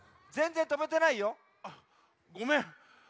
あっごめん。